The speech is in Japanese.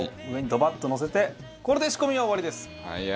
上にドバッとのせてこれで仕込みは終わりです。